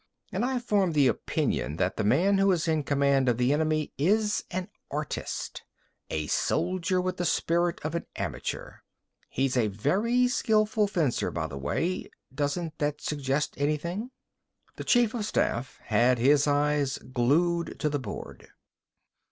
And I formed the opinion that the man who is in command of the enemy is an artist: a soldier with the spirit of an amateur. He's a very skilful fencer, by the way. Doesn't that suggest anything?" The chief of staff had his eyes glued to the board.